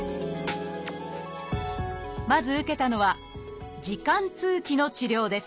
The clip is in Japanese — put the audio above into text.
まず受けたのは「耳管通気」の治療です。